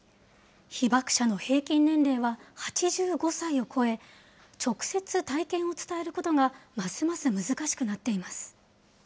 被爆者の平均年齢は８５歳を超え、直接体験を伝えることがますます難しくなっています。